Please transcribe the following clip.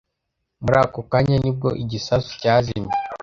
Muri ako kanya ni bwo igisasu cyazimye